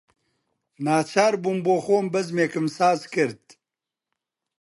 ناچار بووم بۆخۆم بەزمێکم ساز دەکرد